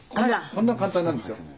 こんな簡単なんですよ。